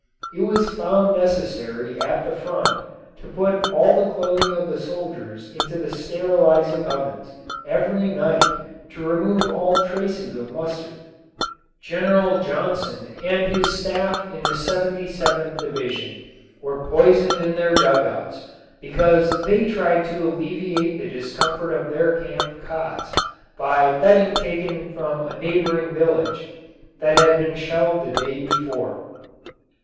It was found necessary at the front to put all the clothing of the soldiers into the sterilizing ovens every night to remove all traces of mustard. General Johnson and his staff in the 77th Division were poisoned in their dugouts because they tried to alleviate the discomfort of their camp cots by bedding taken from a neighboring village that had been shelled the day before.